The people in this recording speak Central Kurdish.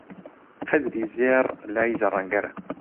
قەدری زێڕ لای زەڕەنگەرە